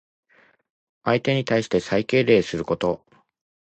相手に対して最敬礼すること。